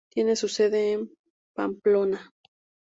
Tiene su sede en Pamplona.